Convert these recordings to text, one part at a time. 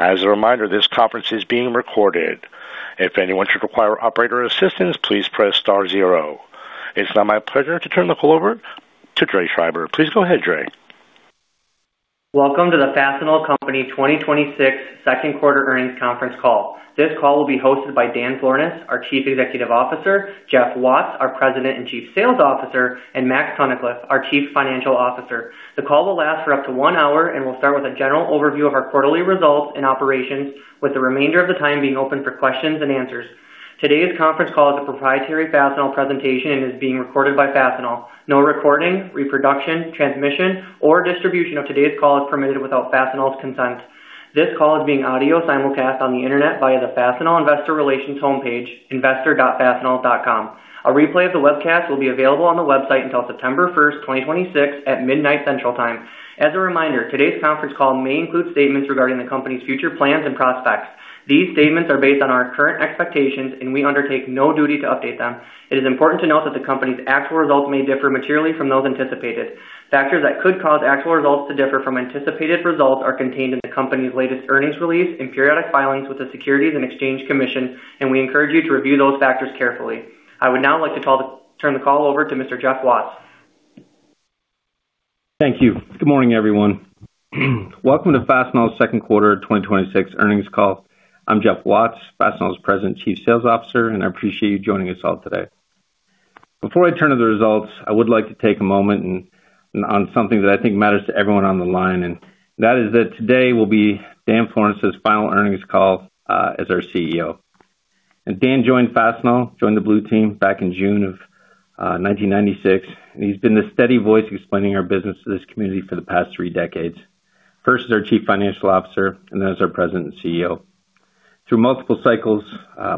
As a reminder, this conference is being recorded. If anyone should require operator assistance, please press star zero. It's now my pleasure to turn the call over to Dre Schreiber. Please go ahead, Dre. Welcome to the Fastenal Company 2026 second quarter earnings conference call. This call will be hosted by Dan Florness, our Chief Executive Officer, Jeff Watts, our President and Chief Sales Officer, and Max Tunnicliff, our Chief Financial Officer. The call will last for up to one hour, and we'll start with a general overview of our quarterly results and operations, with the remainder of the time being open for questions and answers. Today's conference call is a proprietary Fastenal presentation and is being recorded by Fastenal. No recording, reproduction, transmission, or distribution of today's call is permitted without Fastenal's consent. This call is being audio simulcast on the internet via the Fastenal investor relations homepage, investor.fastenal.com. A replay of the webcast will be available on the website until September 1st, 2026, at midnight Central Time. As a reminder, today's conference call may include statements regarding the company's future plans and prospects. These statements are based on our current expectations, and we undertake no duty to update them. It is important to note that the company's actual results may differ materially from those anticipated. Factors that could cause actual results to differ from anticipated results are contained in the company's latest earnings release and periodic filings with the Securities and Exchange Commission, and we encourage you to review those factors carefully. I would now like to turn the call over to Mr. Jeff Watts. Thank you. Good morning, everyone. Welcome to Fastenal's second quarter 2026 earnings call. I'm Jeff Watts, Fastenal's President and Chief Sales Officer, and I appreciate you joining us all today. Before I turn to the results, I would like to take a moment on something that I think matters to everyone on the line, that is that today will be Dan Florness' final earnings call as our Chief Executive Officer. Dan joined Fastenal, joined the Blue Team, back in June of 1996, and he's been the steady voice explaining our business to this community for the past three decades, first as our Chief Financial Officer, and then as our President and Chief Executive Officer. Through multiple cycles,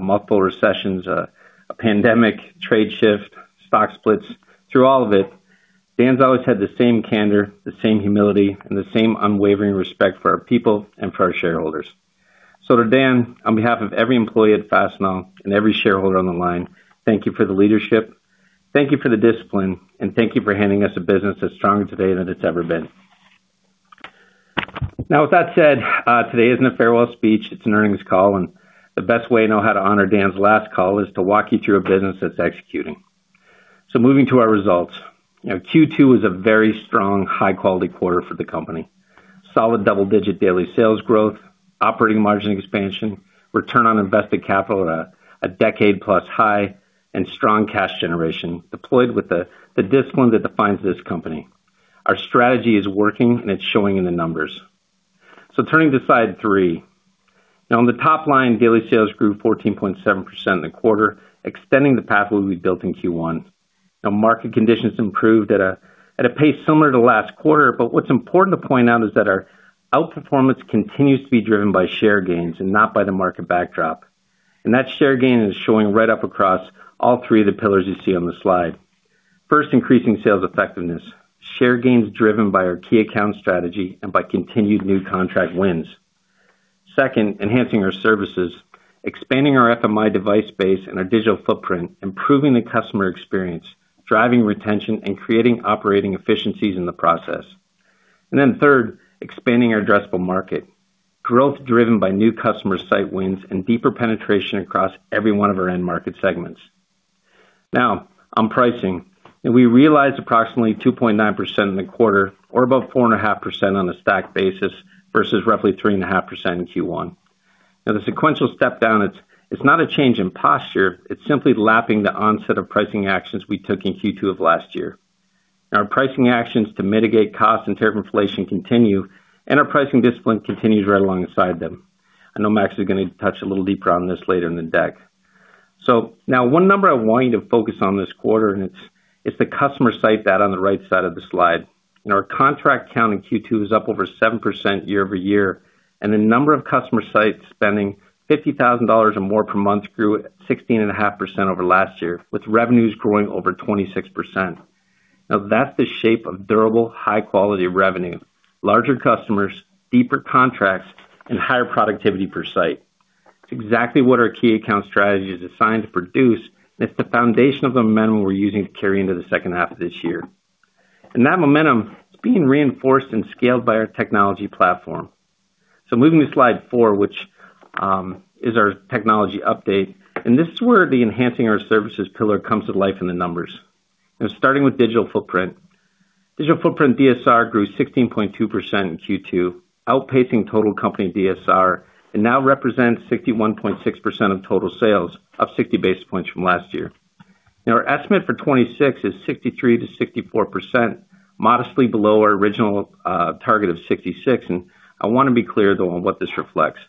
multiple recessions, a pandemic, trade shift, stock splits, through all of it, Dan's always had the same candor, the same humility, and the same unwavering respect for our people and for our shareholders. To Dan, on behalf of every employee at Fastenal and every shareholder on the line, thank you for the leadership, thank you for the discipline, and thank you for handing us a business as strong today than it's ever been. Now, with that said, today isn't a farewell speech. It's an earnings call, and the best way I know how to honor Dan's last call is to walk you through a business that's executing. Moving to our results. Q2 was a very strong, high-quality quarter for the company. Solid double-digit daily sales growth, operating margin expansion, return on invested capital at a decade-plus high, and strong cash generation deployed with the discipline that defines this company. Our strategy is working, and it's showing in the numbers. Turning to slide three. On the top line, daily sales grew 14.7% in the quarter, extending the pathway we built in Q1. Market conditions improved at a pace similar to last quarter, but what's important to point out is that our outperformance continues to be driven by share gains and not by the market backdrop. That share gain is showing right up across all three of the pillars you see on the slide. First, increasing sales effectiveness. Share gains driven by our key account strategy and by continued new contract wins. Second, enhancing our services. Expanding our FMI device base and our Digital Footprint, improving the customer experience, driving retention, and creating operating efficiencies in the process. Then third, expanding our addressable market. Growth driven by new customer site wins and deeper penetration across every one of our end market segments. On pricing. We realized approximately 2.9% in the quarter or above 4.5% on a stack basis versus roughly 3.5% in Q1. The sequential step-down, it's not a change in posture, it's simply lapping the onset of pricing actions we took in Q2 of last year. Our pricing actions to mitigate cost and tariff inflation continue, and our pricing discipline continues right alongside them. I know Max is going to touch a little deeper on this later in the deck. Now one number I want you to focus on this quarter, and it's the customer site data on the right side of the slide. Our contract count in Q2 is up over 7% year-over-year, and the number of customer sites spending $50,000 or more per month grew at 16.5% over last year, with revenues growing over 26%. That's the shape of durable, high-quality revenue: larger customers, deeper contracts, and higher productivity per site. It's exactly what our key account strategy is designed to produce, and it's the foundation of the momentum we're using to carry into the second half of this year. That momentum is being reinforced and scaled by our technology platform. Moving to slide four, which is our technology update, and this is where the enhancing our services pillar comes to life in the numbers. Starting with Digital Footprint. Digital Footprint DSR grew 16.2% in Q2, outpacing total company DSR, and now represents 61.6% of total sales, up 60 basis points from last year. Our estimate for 2026 is 63%-64%, modestly below our original target of 66%. I want to be clear, though, on what this reflects.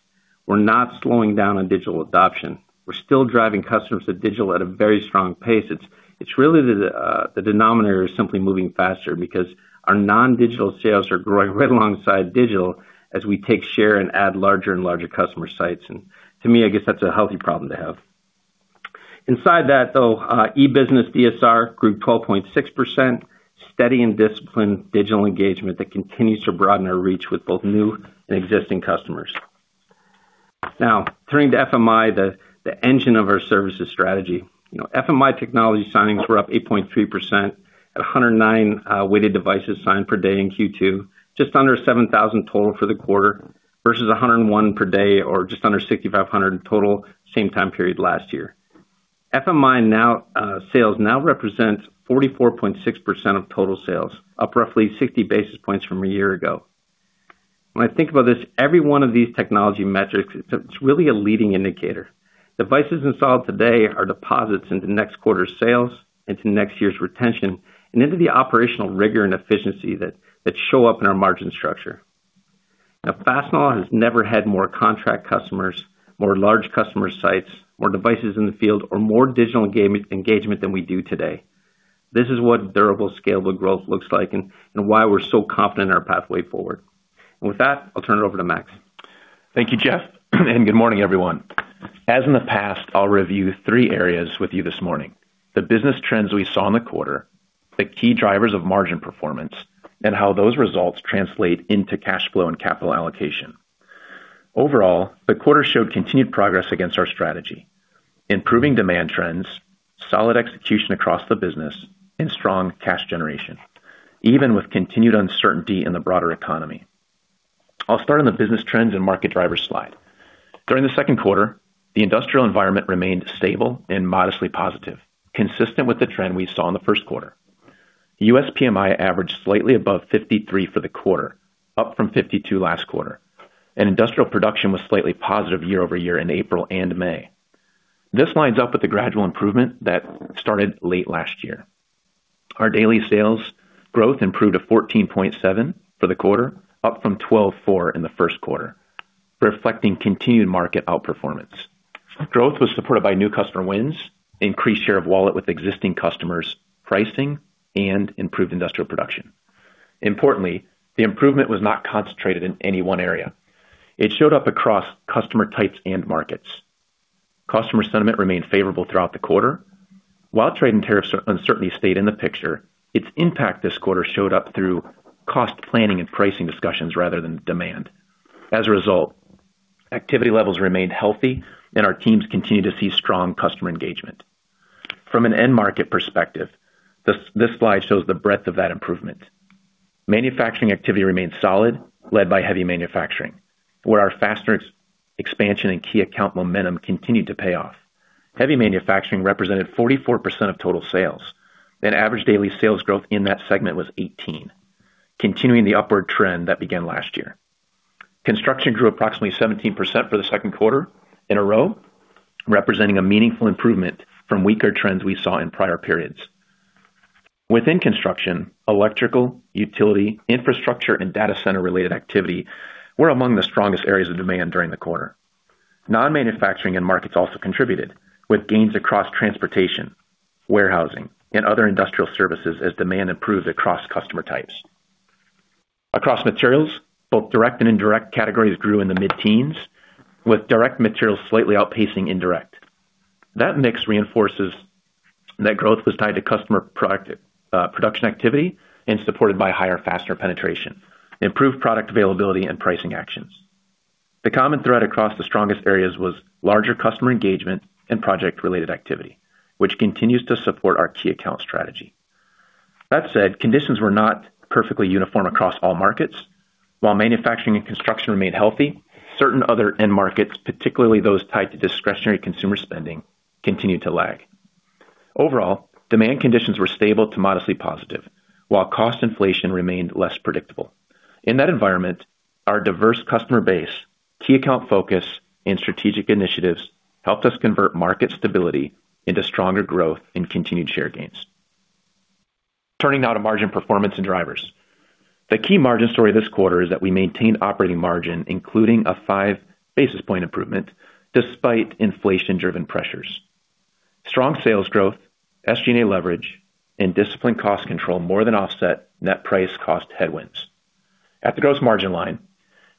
We're not slowing down on digital adoption. We're still driving customers to digital at a very strong pace. It's really the denominator is simply moving faster because our non-digital sales are growing right alongside digital as we take share and add larger and larger customer sites. To me, I guess that's a healthy problem to have. Inside that, though, eBusiness DSR grew 12.6%, steady and disciplined digital engagement that continues to broaden our reach with both new and existing customers. Turning to FMI, the engine of our services strategy. FMI technology signings were up 8.3% at 109 weighted devices signed per day in Q2, just under 7,000 total for the quarter, versus 101 per day or just under 6,500 in total same time period last year. FMI sales now represents 44.6% of total sales, up roughly 60 basis points from a year ago. When I think about this, every one of these technology metrics, it's really a leading indicator. Devices installed today are deposits into next quarter's sales, into next year's retention, and into the operational rigor and efficiency that show up in our margin structure. Fastenal has never had more contract customers, more large customer sites, more devices in the field, or more digital engagement than we do today. This is what durable, scalable growth looks like and why we're so confident in our pathway forward. With that, I'll turn it over to Max. Thank you, Jeff, and good morning, everyone. As in the past, I'll review three areas with you this morning: the business trends we saw in the quarter, the key drivers of margin performance, and how those results translate into cash flow and capital allocation. Overall, the quarter showed continued progress against our strategy, improving demand trends, solid execution across the business, and strong cash generation, even with continued uncertainty in the broader economy. I'll start on the business trends and market drivers slide. During the second quarter, the industrial environment remained stable and modestly positive, consistent with the trend we saw in the first quarter. The U.S. PMI averaged slightly above 53 for the quarter, up from 52 last quarter, and industrial production was slightly positive year-over-year in April and May. This lines up with the gradual improvement that started late last year. Our daily sales growth improved to 14.7% for the quarter, up from 12.4% in the first quarter, reflecting continued market outperformance. Growth was supported by new customer wins, increased share of wallet with existing customers, pricing, and improved industrial production. Importantly, the improvement was not concentrated in any one area. It showed up across customer types and markets. Customer sentiment remained favorable throughout the quarter. While trade and tariffs uncertainty stayed in the picture, its impact this quarter showed up through cost planning and pricing discussions rather than demand. As a result, activity levels remained healthy, and our teams continue to see strong customer engagement. From an end market perspective, this slide shows the breadth of that improvement. Manufacturing activity remained solid, led by heavy manufacturing, where our faster expansion and key account momentum continued to pay off. Heavy manufacturing represented 44% of total sales, and average daily sales growth in that segment was 18%, continuing the upward trend that began last year. Construction grew approximately 17% for the second quarter in a row, representing a meaningful improvement from weaker trends we saw in prior periods. Within construction, electrical, utility, infrastructure, and data center-related activity were among the strongest areas of demand during the quarter. Non-manufacturing end markets also contributed, with gains across transportation, warehousing, and other industrial services as demand improved across customer types. Across materials, both direct and indirect categories grew in the mid-teens, with direct materials slightly outpacing indirect. That mix reinforces that growth was tied to customer production activity and supported by higher, faster penetration, improved product availability, and pricing actions. The common thread across the strongest areas was larger customer engagement and project-related activity, which continues to support our key account strategy. That said, conditions were not perfectly uniform across all markets. While manufacturing and construction remained healthy, certain other end markets, particularly those tied to discretionary consumer spending, continued to lag. Overall, demand conditions were stable to modestly positive, while cost inflation remained less predictable. In that environment, our diverse customer base, key account focus, and strategic initiatives helped us convert market stability into stronger growth and continued share gains. Turning now to margin performance and drivers. The key margin story this quarter is that we maintained operating margin, including a 5 basis point improvement, despite inflation-driven pressures. Strong sales growth, SGA leverage, and disciplined cost control more than offset net price cost headwinds. At the gross margin line,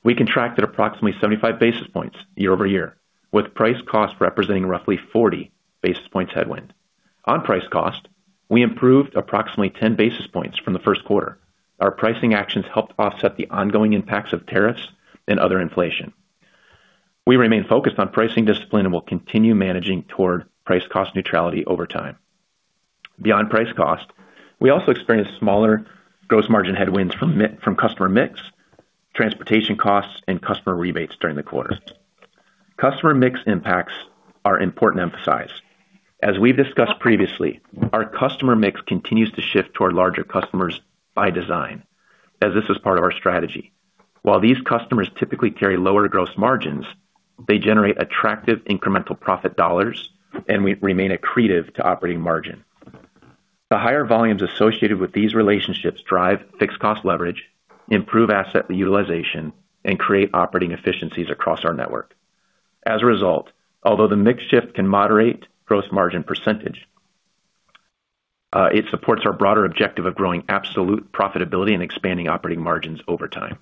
we contracted approximately 75 basis points year-over-year, with price cost representing roughly 40 basis points headwind. On price cost, we improved approximately 10 basis points from the first quarter. Our pricing actions helped offset the ongoing impacts of tariffs and other inflation. We remain focused on pricing discipline and will continue managing toward price cost neutrality over time. Beyond price cost, we also experienced smaller gross margin headwinds from customer mix, transportation costs, and customer rebates during the quarter. Customer mix impacts are important to emphasize. As we've discussed previously, our customer mix continues to shift toward larger customers by design, as this is part of our strategy. While these customers typically carry lower gross margins, they generate attractive incremental profit dollars and remain accretive to operating margin. The higher volumes associated with these relationships drive fixed cost leverage, improve asset utilization, and create operating efficiencies across our network. As a result, although the mix shift can moderate gross margin percentage, it supports our broader objective of growing absolute profitability and expanding operating margins over time.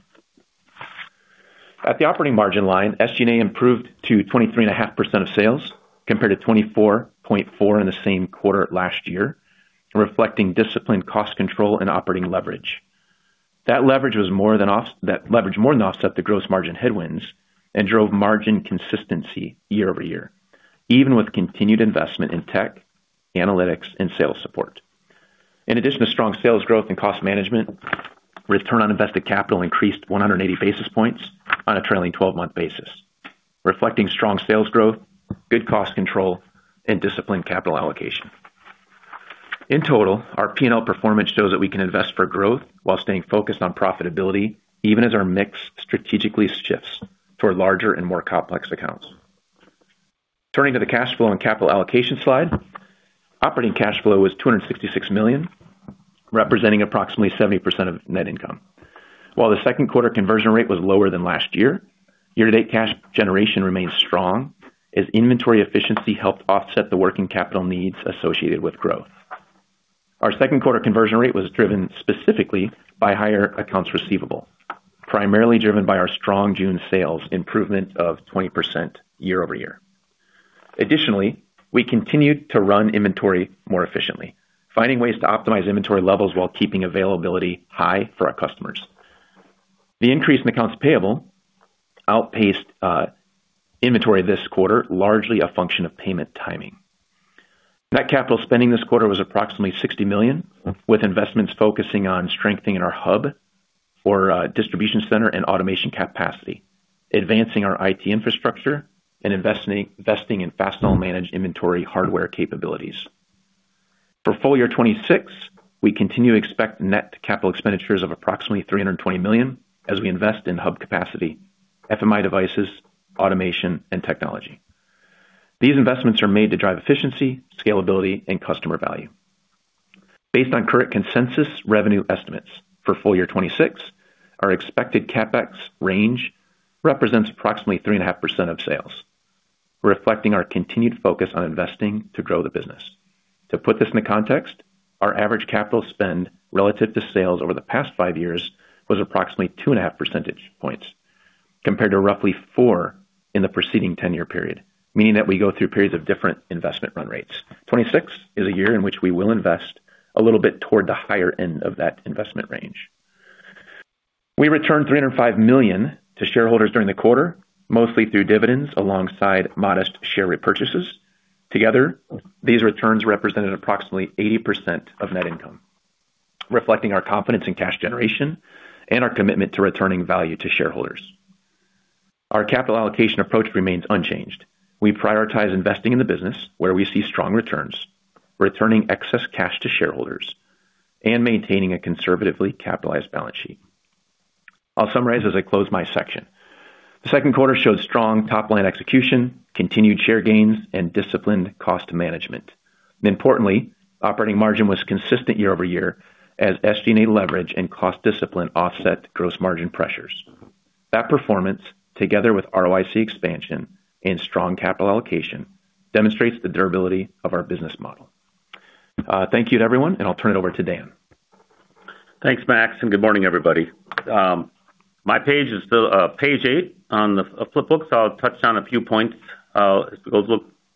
At the operating margin line, SGA improved to 23.5% of sales, compared to 24.4% in the same quarter last year, reflecting disciplined cost control and operating leverage. That leverage more than offset the gross margin headwinds and drove margin consistency year over year, even with continued investment in tech, analytics, and sales support. In addition to strong sales growth and cost management, return on invested capital increased 180 basis points on a trailing 12-month basis, reflecting strong sales growth, good cost control, and disciplined capital allocation. In total, our P&L performance shows that we can invest for growth while staying focused on profitability, even as our mix strategically shifts toward larger and more complex accounts. Turning to the cash flow and capital allocation slide. Operating cash flow was $266 million, representing approximately 70% of net income. While the second quarter conversion rate was lower than last year-to-date cash generation remains strong as inventory efficiency helped offset the working capital needs associated with growth. Our second quarter conversion rate was driven specifically by higher accounts receivable, primarily driven by our strong June sales improvement of 20% year-over-year. Additionally, we continued to run inventory more efficiently, finding ways to optimize inventory levels while keeping availability high for our customers. The increase in accounts payable outpaced inventory this quarter, largely a function of payment timing. Net capital spending this quarter was approximately $60 million, with investments focusing on strengthening our hub or distribution center and automation capacity, advancing our IT infrastructure, and investing in Fastenal-managed inventory hardware capabilities. For full year 2026, we continue to expect net capital expenditures of approximately $320 million as we invest in hub capacity, FMI devices, automation, and technology. These investments are made to drive efficiency, scalability, and customer value. Based on current consensus revenue estimates for full year 2026, our expected CapEx range represents approximately 3.5% of sales, reflecting our continued focus on investing to grow the business. To put this into context, our average capital spend relative to sales over the past five years was approximately 2.5 Percentage points, compared to roughly four in the preceding 10-year period, meaning that we go through periods of different investment run rates. 2026 is a year in which we will invest a little bit toward the higher end of that investment range. We returned $305 million to shareholders during the quarter, mostly through dividends alongside modest share repurchases. Together, these returns represented approximately 80% of net income, reflecting our confidence in cash generation and our commitment to returning value to shareholders. Our capital allocation approach remains unchanged. We prioritize investing in the business where we see strong returns, returning excess cash to shareholders, and maintaining a conservatively capitalized balance sheet. I'll summarize as I close my section. The second quarter showed strong top-line execution, continued share gains, and disciplined cost management. Importantly, operating margin was consistent year-over-year as SG&A leverage and cost discipline offset gross margin pressures. That performance, together with ROIC expansion and strong capital allocation, demonstrates the durability of our business model. Thank you to everyone. I'll turn it over to Dan. Thanks, Max. Good morning, everybody. My page is page eight on the flip book, so I'll touch on a few points as we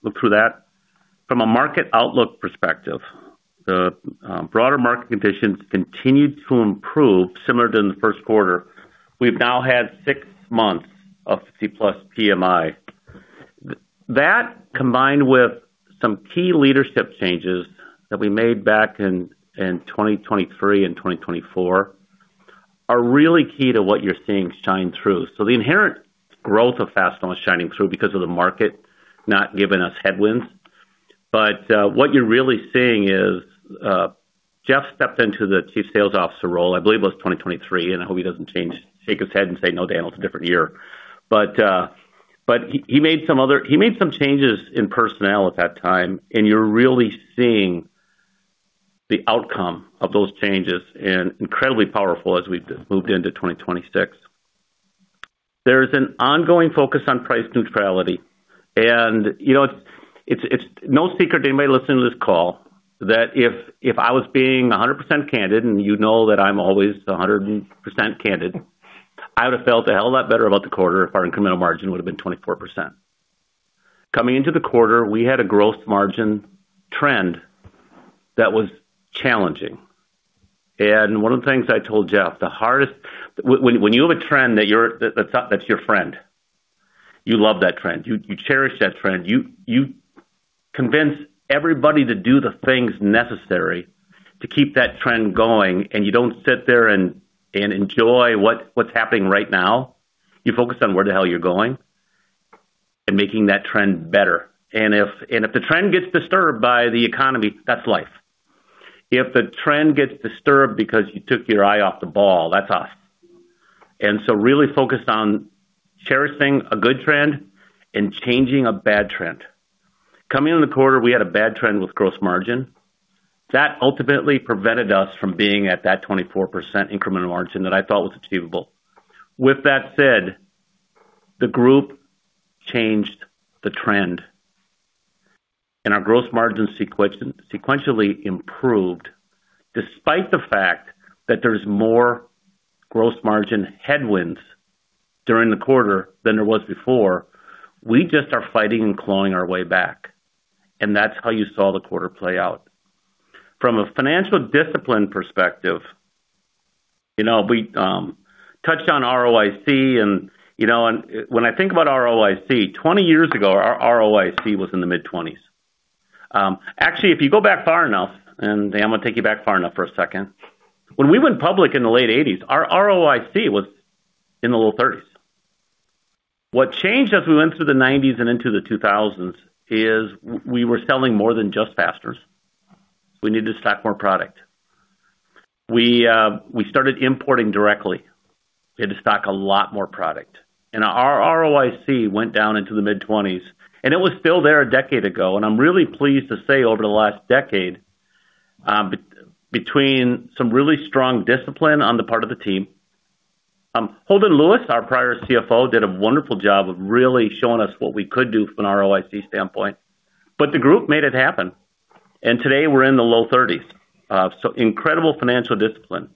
look through that. From a market outlook perspective, the broader market conditions continued to improve similar to the first quarter. We've now had six months of 50+ PMI. That, combined with some key leadership changes that we made back in 2023 and 2024, are really key to what you're seeing shine through. The inherent growth of Fastenal is shining through because of the market not giving us headwinds. What you're really seeing is Jeff stepped into the Chief Sales Officer role, I believe it was 2023, and I hope he doesn't shake his head and say, "No, Dan, it's a different year." He made some changes in personnel at that time, and you're really seeing the outcome of those changes, and incredibly powerful as we've moved into 2026. There is an ongoing focus on price neutrality. It's no secret to anybody listening to this call that if I was being 100% candid, and you know that I'm always 100% candid, I would have felt a hell of a lot better about the quarter if our incremental margin would have been 24%. Coming into the quarter, we had a gross margin trend that was challenging. One of the things I told Jeff, when you have a trend that's your friend, you love that trend. You cherish that trend. You convince everybody to do the things necessary to keep that trend going, and you don't sit there and enjoy what's happening right now. You focus on where the hell you're going and making that trend better. If the trend gets disturbed by the economy, that's life. If the trend gets disturbed because you took your eye off the ball, that's us. So really focused on cherishing a good trend and changing a bad trend. Coming into the quarter, we had a bad trend with gross margin. That ultimately prevented us from being at that 24% incremental margin that I thought was achievable. With that said, the group changed the trend, and our gross margin sequentially improved, despite the fact that there's more gross margin headwinds during the quarter than there was before, we just are fighting and clawing our way back, and that's how you saw the quarter play out. From a financial discipline perspective, we touched on ROIC, and when I think about ROIC, 20 years ago, our ROIC was in the mid-20s. Actually, if you go back far enough, Dan, I'm going to take you back far enough for a second. When we went public in the late 1980s, our ROIC was in the low 30s. What changed as we went through the 1990s and into the 2000s is we were selling more than just fasteners. We needed to stock more product. We started importing directly. We had to stock a lot more product. Our ROIC went down into the mid-20s, and it was still there a decade ago, and I'm really pleased to say over the last decade, between some really strong discipline on the part of the team. Holden Lewis, our prior Chief Financial Officer, did a wonderful job of really showing us what we could do from an ROIC standpoint. The group made it happen. Today we're in the low 30s. So incredible financial discipline.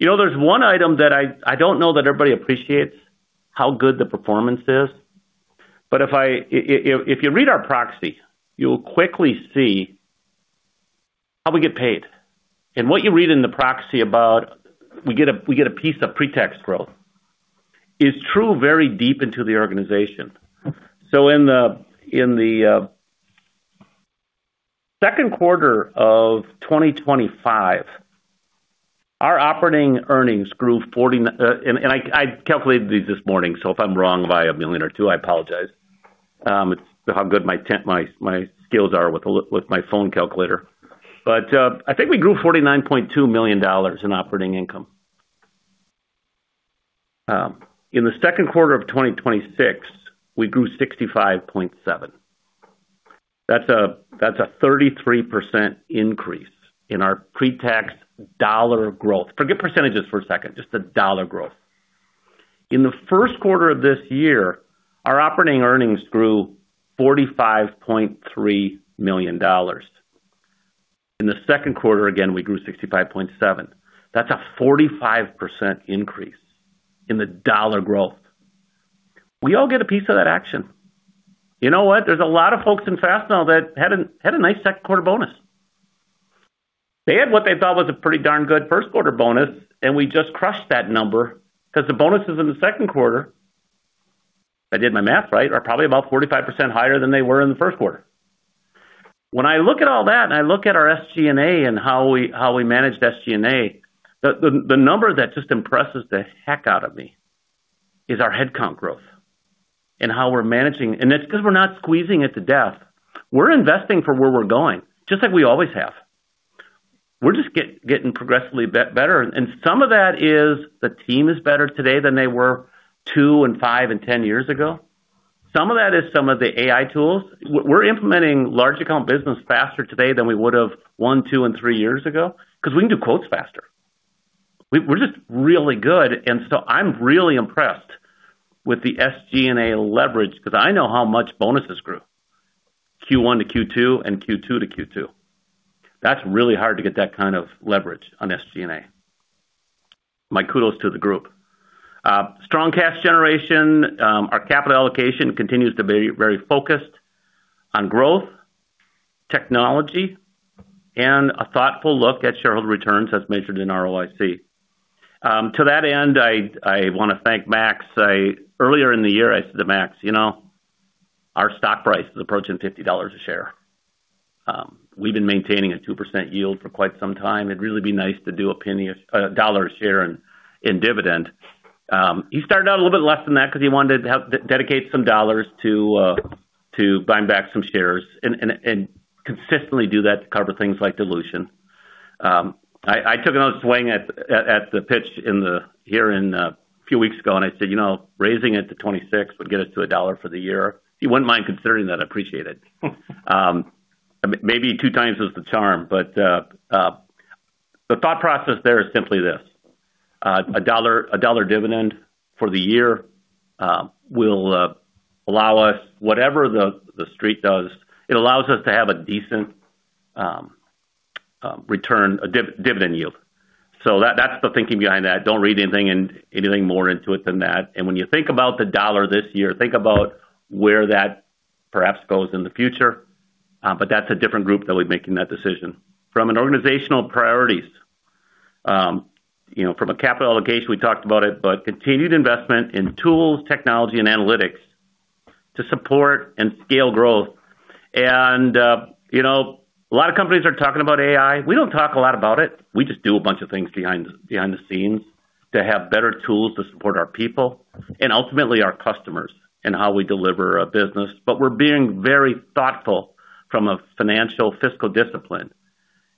There's one item that I don't know that everybody appreciates how good the performance is, if you read our proxy, you'll quickly see how we get paid. What you read in the proxy about we get a piece of pre-tax growth is true very deep into the organization. In the second quarter of 2025, our operating earnings grew, and I calculated these this morning, so if I'm wrong by a $1 million or $2 million, I apologize. It's how good my skills are with my phone calculator. I think we grew $49.2 million in operating income. In the second quarter of 2026, we grew $65.7 million. That's a 33% increase in our pre-tax dollar growth. Forget percentages for a second, just the dollar growth. In the first quarter of this year, our operating earnings grew $45.3 million. In the second quarter, again, we grew $65.7 million. That's a 45% increase in the dollar growth. We all get a piece of that action. You know what? There's a lot of folks in Fastenal that had a nice second quarter bonus. They had what they thought was a pretty darn good first quarter bonus. We just crushed that number because the bonuses in the second quarter, if I did my math right, are probably about 45% higher than they were in the first quarter. I look at all that and I look at our SG&A and how we managed SG&A, the number that just impresses the heck out of me is our headcount growth and how we're managing. It's because we're not squeezing it to death. We're investing for where we're going, just like we always have. We're just getting progressively better, and some of that is the team is better today than they were two and five and 10 years ago. Some of that is some of the AI tools. We're implementing large account business faster today than we would have one, two, and three years ago because we can do quotes faster. We're just really good. I'm really impressed with the SG&A leverage because I know how much bonuses grew Q1-Q2 and Q2-Q2. That's really hard to get that kind of leverage on SG&A. My kudos to the group. Strong cash generation. Our capital allocation continues to be very focused on growth, technology, and a thoughtful look at shareholder returns as measured in ROIC. To that end, I want to thank Max. Earlier in the year, I said to Max, "Our stock price is approaching $50 a share. We've been maintaining a 2% yield for quite some time. It'd really be nice to do a $1 a share in dividend." He started out a little bit less than that because he wanted to dedicate some dollars to buying back some shares, consistently do that to cover things like dilution. I took another swing at the pitch here a few weeks ago. I said, "Raising it to 26 would get us to a dollar for the year." He wouldn't mind considering that. I appreciate it. Maybe 2x is the charm. The thought process there is simply this: $1 dividend for the year will allow us, whatever the Street does, it allows us to have a decent return, a dividend yield. That's the thinking behind that. Don't read anything more into it than that. When you think about the dollar this year, think about where that perhaps goes in the future. That's a different group that'll be making that decision. From an organizational priorities, from a capital allocation, we talked about it, but continued investment in tools, technology, and analytics to support and scale growth. A lot of companies are talking about AI. We don't talk a lot about it. We just do a bunch of things behind the scenes to have better tools to support our people and ultimately our customers and how we deliver a business. We're being very thoughtful from a financial, fiscal discipline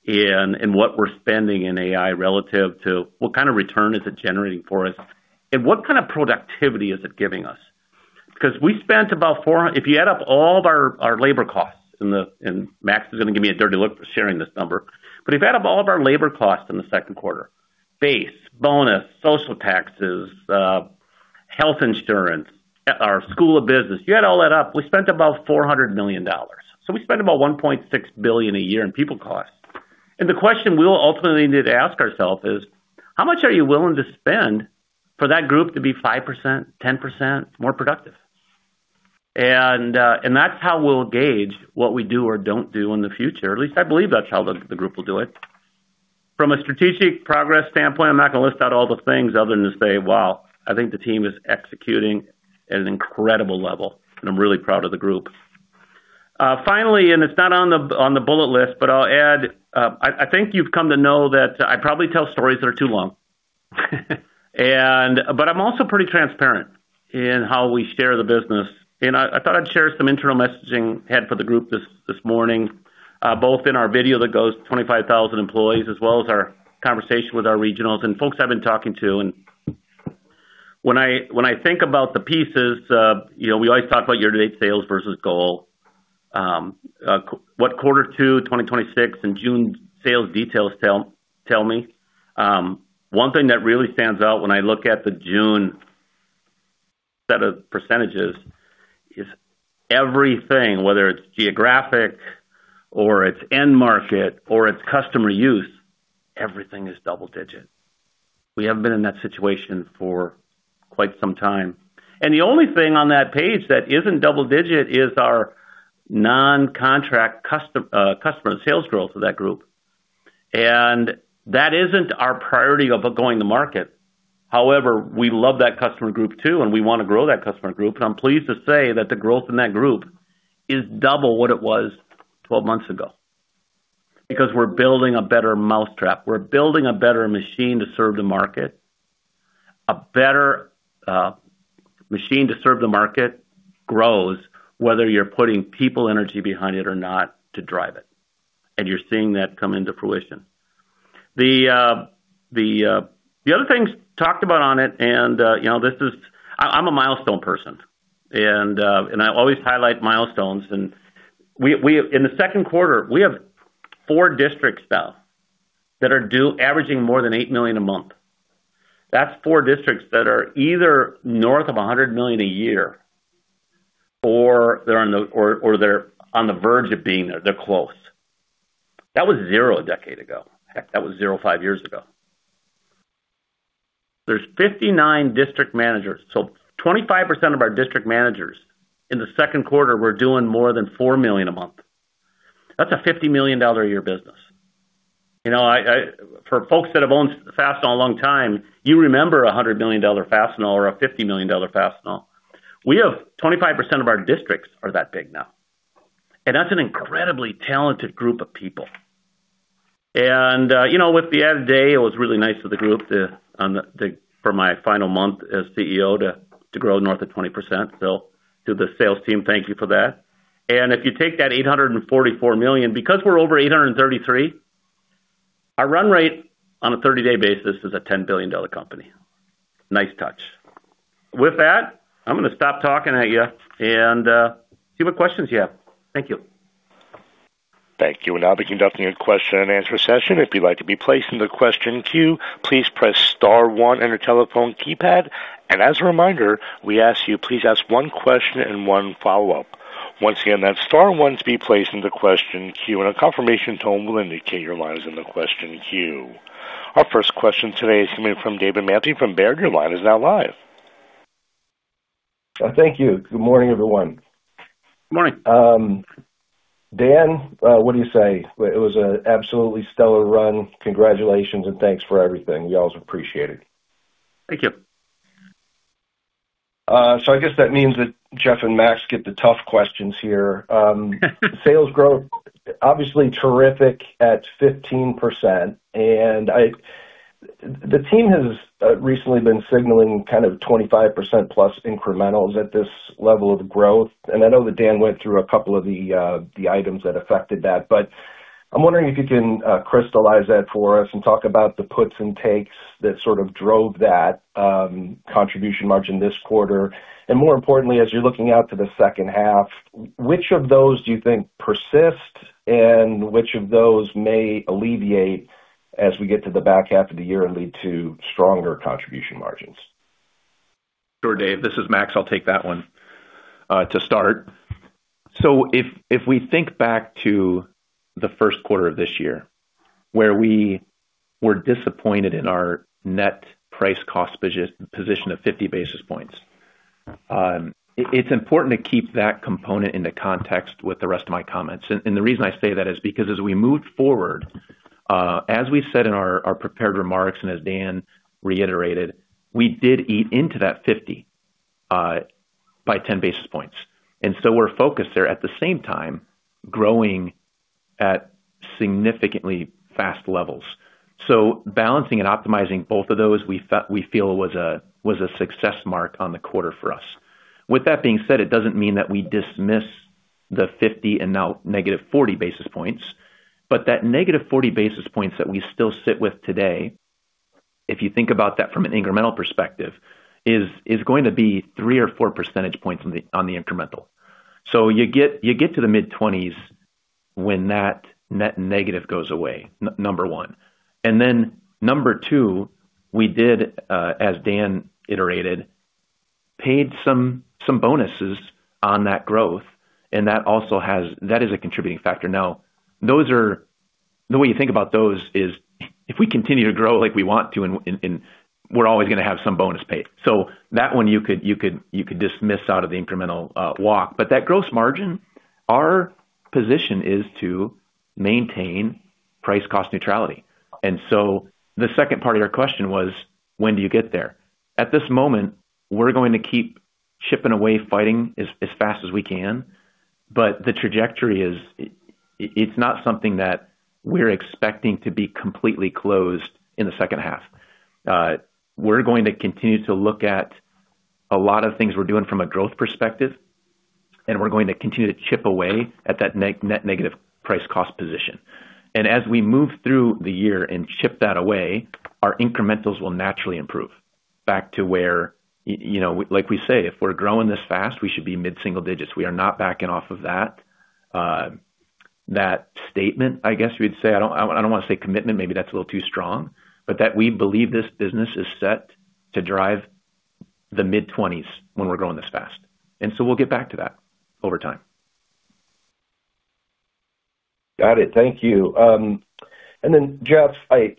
in what we're spending in AI relative to what kind of return is it generating for us, and what kind of productivity is it giving us? If you add up all of our labor costs, and Max is going to give me a dirty look for sharing this number, but if you add up all of our labor costs in the second quarter, base, bonus, social taxes, health insurance, our School of Business, you add all that up, we spent about $400 million. We spend about $1.6 billion a year in people cost. The question we'll ultimately need to ask ourselves is, how much are you willing to spend for that group to be 5%, 10% more productive? That's how we'll gauge what we do or don't do in the future. At least I believe that's how the group will do it. From a strategic progress standpoint, I'm not going to list out all the things other than to say, wow, I think the team is executing at an incredible level, and I'm really proud of the group. Finally, and it's not on the bullet list, but I'll add, I think you've come to know that I probably tell stories that are too long. I'm also pretty transparent in how we share the business. I thought I'd share some internal messaging I had for the group this morning, both in our video that goes to 25,000 employees, as well as our conversation with our regionals and folks I've been talking to. When I think about the pieces, we always talk about year-to-date sales versus goal. What quarter two 2026 and June sales details tell me. One thing that really stands out when I look at the June set of percentages is everything, whether it's geographic or it's end market or it's customer use, everything is double digit. The only thing on that page that isn't double digit is our non-contract customer sales growth for that group. That isn't our priority of going to market. However, we love that customer group too, and we want to grow that customer group. I'm pleased to say that the growth in that group is double what it was 12 months ago, because we're building a better mousetrap. We're building a better machine to serve the market. A better machine to serve the market grows, whether you're putting people energy behind it or not to drive it, and you're seeing that come into fruition. The other things talked about on it. I'm a milestone person. I always highlight milestones. In the second quarter, we have four district staff that are averaging more than $8 million a month. That's four districts that are either north of $100 million a year or they're on the verge of being there. They're close. That was zero a decade ago. Heck, that was zero five years ago. There's 59 district managers. 25% of our district managers in the second quarter were doing more than $4 million a month. That's a $50 million a year business. For folks that have owned Fastenal a long time, you remember $100 million Fastenal or a $50 million Fastenal. We have 25% of our districts are that big now. That's an incredibly talented group of people. With the other day, it was really nice for the group for my final month as Chief Executive Officer to grow north of 20%. To the sales team, thank you for that. If you take that $844 million, because we're over $833, our run rate on a 30-day basis is a $10 billion company. Nice touch. With that, I'm going to stop talking at you and see what questions you have. Thank you. Thank you. We'll now be conducting a question and answer session. If you'd like to be placed in the question queue, please press star one on your telephone keypad. As a reminder, we ask you, please ask one question and one follow-up. Once again, that's star one to be placed in the question queue. A confirmation tone will indicate your line is in the question queue. Our first question today is coming from David Manthey from Baird. Your line is now live. Thank you. Good morning, everyone. Good morning. Dan, what do you say? It was an absolutely stellar run. Congratulations, thanks for everything. You all are appreciated. Thank you. I guess that means that Jeff and Max get the tough questions here. Sales growth, obviously terrific at 15%, the team has recently been signaling kind of 25%+ incrementals at this level of growth. I know that Dan went through a couple of the items that affected that, but I'm wondering if you can crystallize that for us and talk about the puts and takes that sort of drove that contribution margin this quarter. More importantly, as you're looking out to the second half, which of those do you think persist and which of those may alleviate as we get to the back half of the year and lead to stronger contribution margins? Sure, David. This is Max. I'll take that one to start. If we think back to the first quarter of this year, where we were disappointed in our net price cost position of 50 basis points, it's important to keep that component into context with the rest of my comments. The reason I say that is because as we moved forward, as we said in our prepared remarks and as Dan reiterated, we did eat into that 50 basis points by 10 basis points. We're focused there at the same time, growing at significantly fast levels. Balancing and optimizing both of those, we feel was a success mark on the quarter for us. With that being said, it doesn't mean that we dismiss the 50 basis points and now -40 basis points. That -40 basis points that we still sit with today, if you think about that from an incremental perspective, is going to be 3 percentage points or 4 percentage points on the incremental. You get to the mid-20s when that net negative goes away, number one. Then number two, we did, as Dan iterated Paid some bonuses on that growth, and that is a contributing factor. The way you think about those is, if we continue to grow like we want to, and we're always going to have some bonus paid. That one you could dismiss out of the incremental walk. That gross margin, our position is to maintain price cost neutrality. The second part of your question was, when do you get there? At this moment, we're going to keep chipping away, fighting as fast as we can. The trajectory is, it's not something that we're expecting to be completely closed in the second half. We're going to continue to look at a lot of things we're doing from a growth perspective, and we're going to continue to chip away at that net negative price cost position. As we move through the year and chip that away, our incrementals will naturally improve back to where Like we say, if we're growing this fast, we should be mid-single digits. We are not backing off of that statement, I guess we'd say. I don't want to say commitment, maybe that's a little too strong, but that we believe this business is set to drive the mid-20s when we're growing this fast. We'll get back to that over time. Got it. Thank you. Jeff, I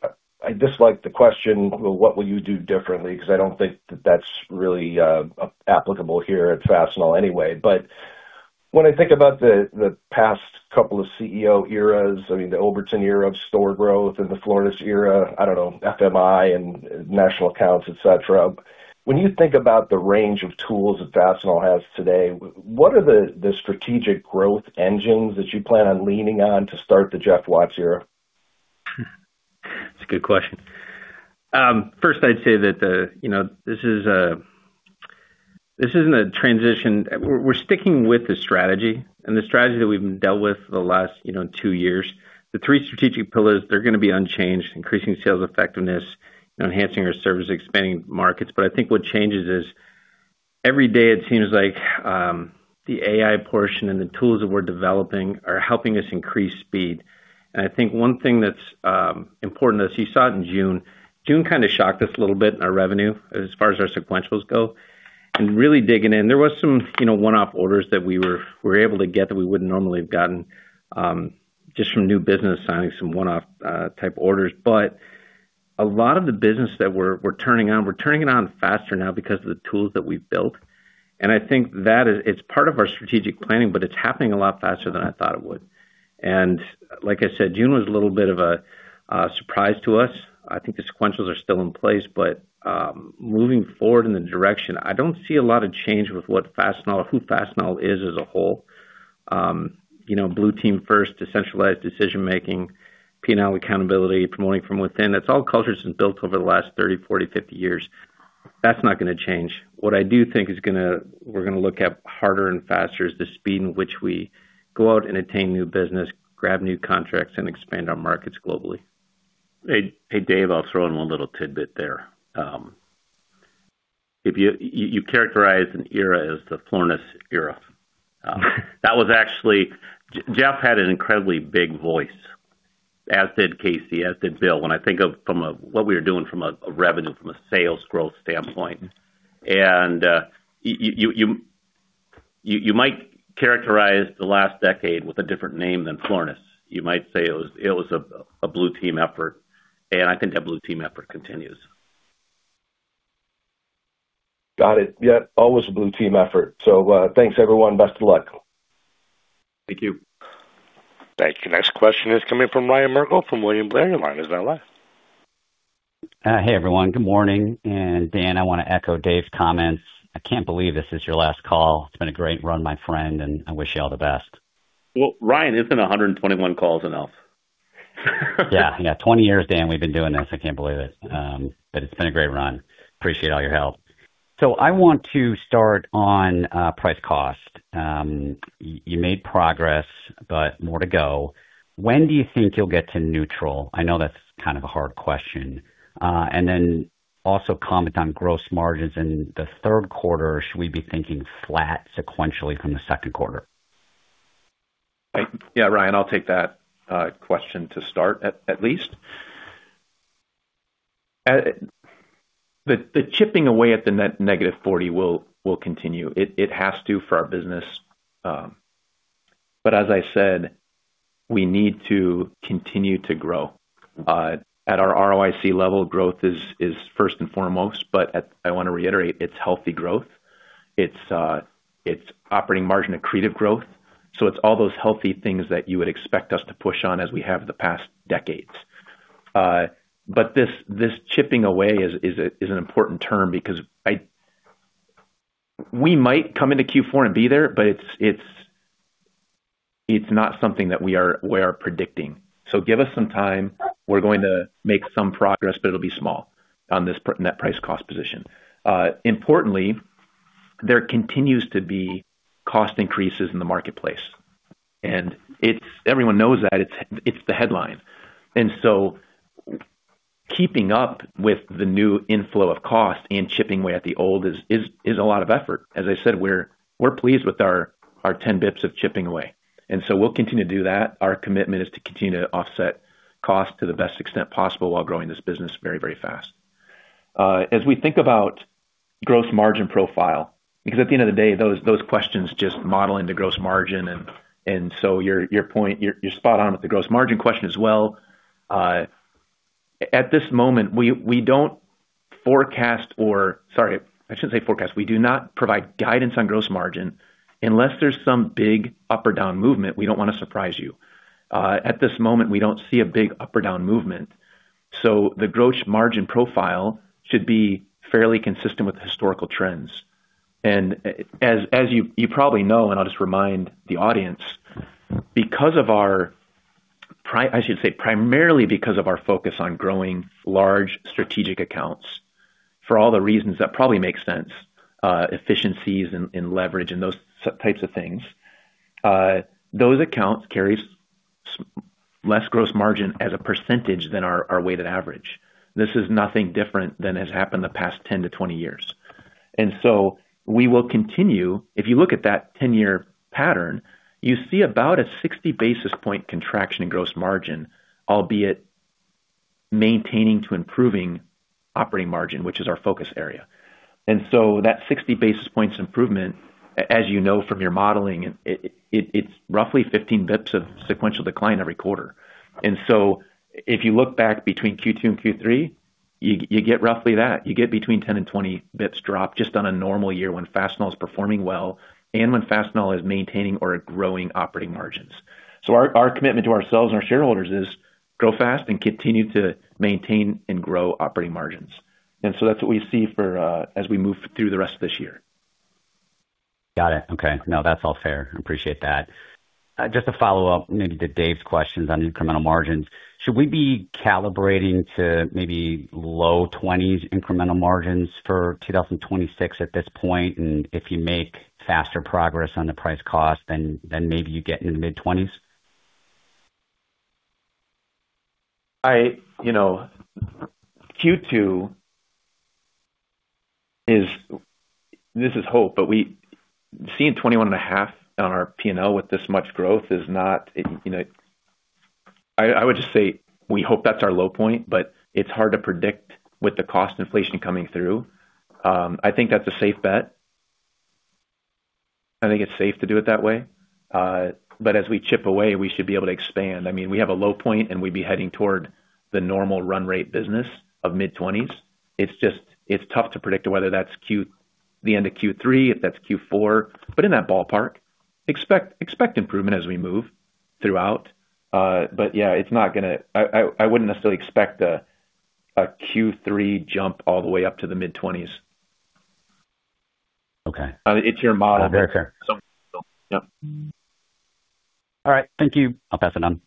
dislike the question, what will you do differently? Because I don't think that that's really applicable here at Fastenal anyway. When I think about the past couple of Chief Executive Officer eras, the Overton era of store growth and the Florness era, I don't know, FMI and national accounts, et cetera. When you think about the range of tools that Fastenal has today, what are the strategic growth engines that you plan on leaning on to start the Jeff Watts era? That's a good question. First, I'd say that this isn't a transition. We're sticking with the strategy and the strategy that we've dealt with for the last two years. The three strategic pillars, they're going to be unchanged, increasing sales effectiveness, enhancing our service, expanding markets. I think what changes is every day it seems like the AI portion and the tools that we're developing are helping us increase speed. I think one thing that's important is you saw it in June. June kind of shocked us a little bit in our revenue as far as our sequentials go. Really digging in, there was some one-off orders that we were able to get that we wouldn't normally have gotten, just from new business signing some one-off type orders. A lot of the business that we're turning on, we're turning it on faster now because of the tools that we've built. I think that it's part of our strategic planning, but it's happening a lot faster than I thought it would. Like I said, June was a little bit of a surprise to us. I think the sequentials are still in place, but moving forward in the direction, I don't see a lot of change with who Fastenal is as a whole. Blue Team first, decentralized decision-making, P&L accountability, promoting from within. That's all cultures have built over the last 30 years, 40 years, 50 years. That's not going to change. What I do think we're going to look at harder and faster is the speed in which we go out and attain new business, grab new contracts, and expand our markets globally. Hey, Dave, I'll throw in one little tidbit there. You characterized an era as the Florness era. Jeff had an incredibly big voice, as did Casey, as did Bill, when I think of what we were doing from a revenue, from a sales growth standpoint. You might characterize the last decade with a different name than Florness. You might say it was a Blue Team effort, and I think that Blue Team effort continues. Got it. Always a Blue Team effort. Thanks, everyone. Best of luck. Thank you. Thank you. Next question is coming from Ryan Merkel from William Blair. Your line is now live. Hey, everyone. Good morning. Dan, I want to echo Dave's comments. I can't believe this is your last call. It's been a great run, my friend, and I wish you all the best. Well, Ryan, isn't 121 calls enough? Yeah. 20 years, Dan, we've been doing this. I can't believe it. It's been a great run. Appreciate all your help. I want to start on price cost. You made progress, but more to go. When do you think you'll get to neutral? I know that's kind of a hard question. Also comment on gross margins in the third quarter. Should we be thinking flat sequentially from the second quarter? Yeah. Ryan, I'll take that question to start, at least. The chipping away at the net -40 basis points will continue. It has to for our business. As I said, we need to continue to grow. At our ROIC level, growth is first and foremost, but I want to reiterate, it's healthy growth. It's operating margin accretive growth. It's all those healthy things that you would expect us to push on as we have in the past decades. This chipping away is an important term because we might come into Q4 and be there, but it's not something that we are predicting. Give us some time. We're going to make some progress, but it'll be small on this net price cost position. Importantly, there continues to be cost increases in the marketplace, and everyone knows that. It's the headline. Keeping up with the new inflow of cost and chipping away at the old is a lot of effort. As I said, we're pleased with our 10 basis points of chipping away. We'll continue to do that. Our commitment is to continue to offset cost to the best extent possible while growing this business very, very fast. As we think about gross margin profile, because at the end of the day, those questions just model into gross margin, you're spot on with the gross margin question as well. At this moment, we do not provide guidance on gross margin. Unless there's some big up or down movement, we don't want to surprise you. At this moment, we don't see a big up or down movement. The gross margin profile should be fairly consistent with historical trends. As you probably know, I'll just remind the audience, primarily because of our focus on growing large strategic accounts, for all the reasons that probably make sense, efficiencies and leverage and those types of things. Those accounts carry less gross margin as a percentage than our weighted average. This is nothing different than has happened the past 10 years-20 years. We will continue. If you look at that 10-year pattern, you see about a 60 basis point contraction in gross margin, albeit maintaining to improving operating margin, which is our focus area. That 60 basis points improvement, as you know from your modeling, it's roughly 15 basis points of sequential decline every quarter. If you look back between Q2-Q3, you get roughly that. You get between 10 basis points and 20 basis points drop just on a normal year when Fastenal is performing well and when Fastenal is maintaining or growing operating margins. Our commitment to ourselves and our shareholders is grow fast and continue to maintain and grow operating margins. That's what we see as we move through the rest of this year. Got it. Okay. No, that's all fair. I appreciate that. Just to follow up, maybe to David's questions on incremental margins. Should we be calibrating to maybe low 20s incremental margins for 2026 at this point? If you make faster progress on the price cost, then maybe you get into the mid-20s? Q2, this is hope, seeing 21.5 basis points on our P&L with this much growth is not. I would just say we hope that's our low point, but it's hard to predict with the cost inflation coming through. I think that's a safe bet. I think it's safe to do it that way. As we chip away, we should be able to expand. We have a low point, and we'd be heading toward the normal run rate business of mid-20s. It's tough to predict whether that's the end of Q3, if that's Q4. In that ballpark. Expect improvement as we move throughout. Yeah, I wouldn't necessarily expect a Q3 jump all the way up to the mid-20s. Okay. It's your model. Very fair. Yep. All right. Thank you. I'll pass it on.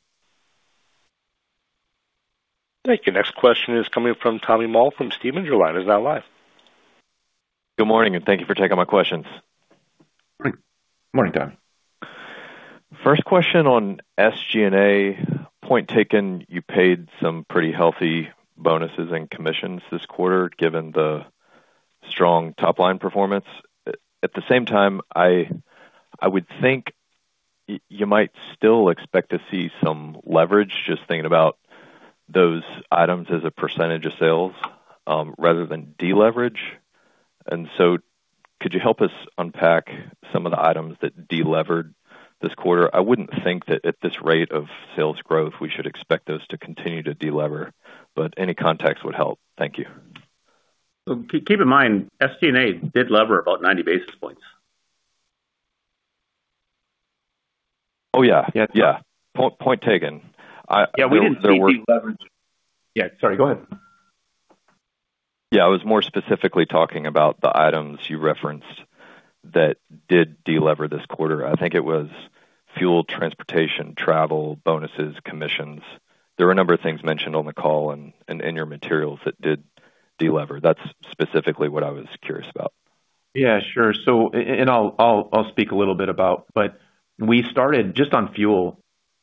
Thank you. Next question is coming from Tommy Moll from Stephens. Your line is now live. Good morning, thank you for taking my questions. Morning, Tommy. First question on SG&A. Point taken, you paid some pretty healthy bonuses and commissions this quarter, given the strong top-line performance. At the same time, I would think you might still expect to see some leverage, just thinking about those items as a percentage of sales, rather than deleverage. Could you help us unpack some of the items that de-levered this quarter? I wouldn't think that at this rate of sales growth, we should expect those to continue to de-lever, any context would help. Thank you. Keep in mind, SG&A did lever about 90 basis points. Oh, yeah. Yeah. Point taken. Yeah, we didn't see deleverage. Yeah, sorry. Go ahead. I was more specifically talking about the items you referenced that did de-lever this quarter. I think it was fuel, transportation, travel, bonuses, commissions. There were a number of things mentioned on the call and in your materials that did de-lever. That's specifically what I was curious about. Sure. I'll speak a little bit about, but we started just on fuel.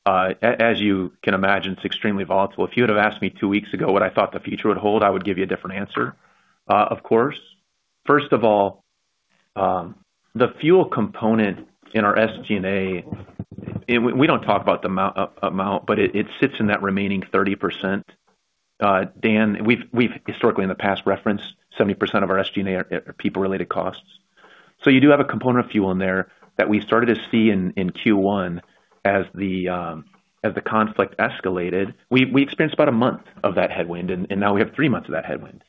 As you can imagine, it's extremely volatile. If you would've asked me two weeks ago what I thought the future would hold, I would give you a different answer, of course. First of all, the fuel component in our SGA, we don't talk about the amount, but it sits in that remaining 30%. Dan, we've historically in the past referenced 70% of our SGA are people-related costs. You do have a component of fuel in there that we started to see in Q1 as the conflict escalated. We experienced about a month of that headwind, and now we have three months of that headwind.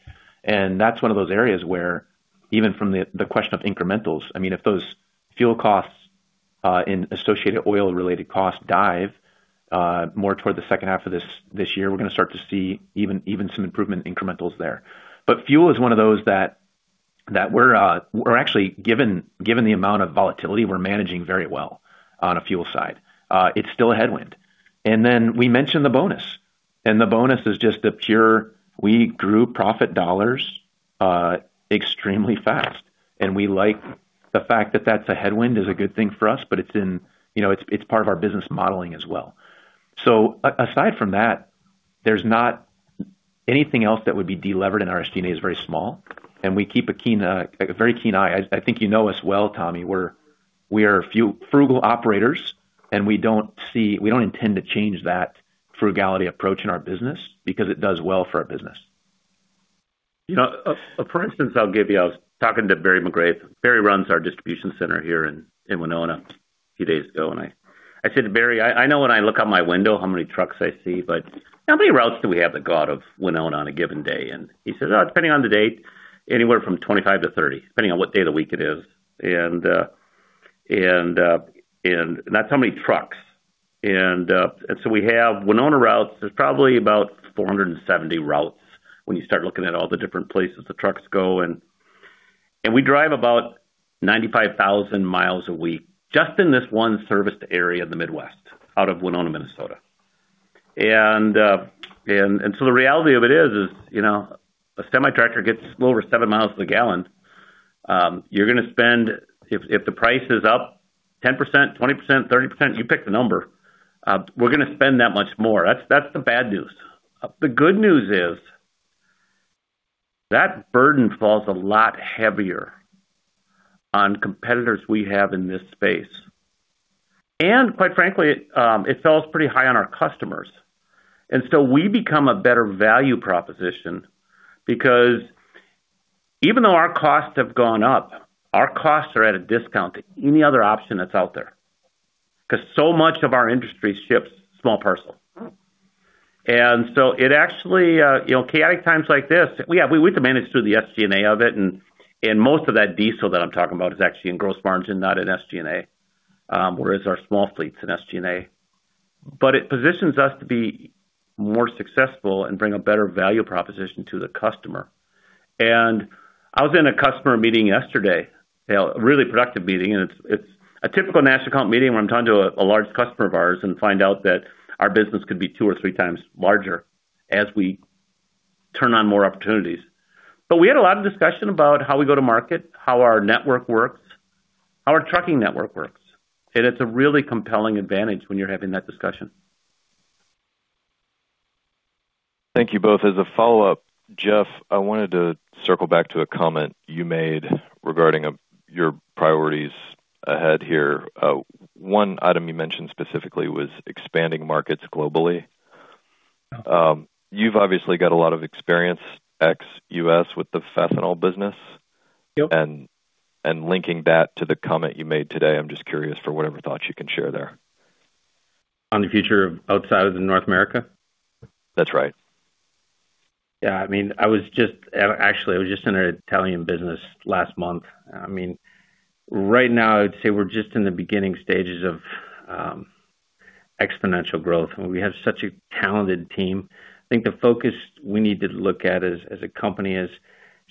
That's one of those areas where, even from the question of incrementals, if those fuel costs and associated oil-related costs dive more toward the second half of this year, we're going to start to see even some improvement incrementals there. Fuel is one of those that we're actually, given the amount of volatility, we're managing very well on a fuel side. It's still a headwind. Then we mentioned the bonus, and the bonus is just a pure, we grew profit dollars extremely fast, and we like the fact that that's a headwind is a good thing for us, but it's part of our business modeling as well. Aside from that There's not anything else that would be delevered in our SGA is very small, and we keep a very keen eye. I think you know us well, Tommy. We are frugal operators, we don't intend to change that frugality approach in our business because it does well for our business. For instance, I was talking to Barry McGrath. Barry runs our distribution center here in Winona a few days ago. I said, "Barry, I know when I look out my window how many trucks I see, but how many routes do we have out of Winona on a given day?" He says, "Depending on the date, anywhere from 25th-30th, depending on what day of the week it is." That's how many trucks. We have Winona routes. There's probably about 470 routes when you start looking at all the different places the trucks go. We drive about 95,000 mi a week just in this one serviced area in the Midwest out of Winona, Minnesota. The reality of it is, a semi-tractor gets a little over 7 mi to the gallon. If the price is up 10%, 20%, 30%, you pick the number, we're going to spend that much more. That's the bad news. The good news is that burden falls a lot heavier on competitors we have in this space. Quite frankly, it falls pretty high on our customers. We become a better value proposition because even though our costs have gone up, our costs are at a discount to any other option that's out there because so much of our industry ships small parcel. Chaotic times like this, we have to manage through the SGA of it, and most of that diesel that I'm talking about is actually in gross margin, not in SGA. Whereas our small fleet is in SGA. It positions us to be more successful and bring a better value proposition to the customer. I was in a customer meeting yesterday, a really productive meeting. It's a typical national account meeting where I'm talking to a large customer of ours and find out that our business could be 2x or 3x larger as we turn on more opportunities. We had a lot of discussion about how we go to market, how our network works, how our trucking network works. It's a really compelling advantage when you're having that discussion. Thank you both. As a follow-up, Jeff, I wanted to circle back to a comment you made regarding your priorities ahead here. One item you mentioned specifically was expanding markets globally. You've obviously got a lot of experience ex-U.S. with the Fastenal business. Yep. Linking that to the comment you made today, I'm just curious for whatever thoughts you can share there. On the future of outside of North America? That's right. Yeah. Actually, I was just in an Italian business last month. Right now, I'd say we're just in the beginning stages of exponential growth. We have such a talented team. I think the focus we need to look at as a company is